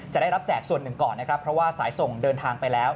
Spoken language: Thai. จะได้รับแจกส่วนหนึ่งก่อนสายส่งเดินทางไปแล้ว